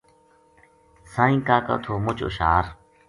سائیں کاکو تھو مُچ ہشیار